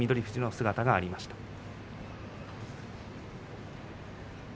富士の姿がありました。